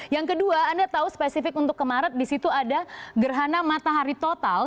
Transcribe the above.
yang kedua anda tahu spesifik untuk ke maret di situ ada gerhana matahari total